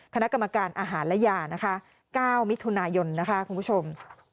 คณะกรรมการอาหารและยานะคะ๙มิถุนายนนะคะคุณผู้ชม